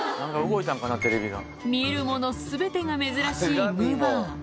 見るもの全てが珍しいむぅばあ